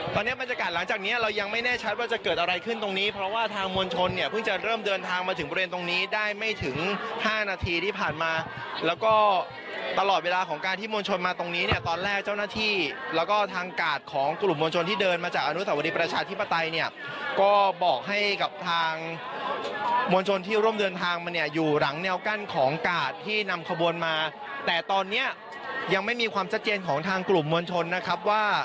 ตอนเนี้ยมันจะกัดหลังจากเนี้ยเรายังไม่แน่ชัดว่าจะเกิดอะไรขึ้นตรงนี้เพราะว่าทางมวลชนเนี้ยเพิ่งจะเริ่มเดินทางมาถึงบริเวณตรงนี้ได้ไม่ถึงห้านาทีที่ผ่านมาแล้วก็ตลอดเวลาของการที่มวลชนมาตรงนี้เนี้ยตอนแรกเจ้าหน้าที่แล้วก็ทางกาดของกลุ่มมวลชนที่เดินมาจากอนุสวรรค์ประชาธิปไตยเนี้ยก็บ